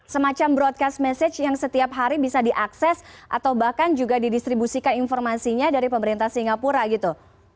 semacam broadcast message yang setiap hari bisa diakses atau bahkan juga didistribusikan informasinya dari pemerintah singapura gitu